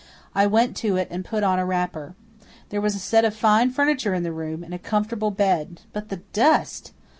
I went to it and put on a wrapper. There was a set of fine furniture in the room, and a comfortable bed. But the dust!